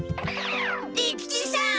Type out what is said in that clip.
利吉さん！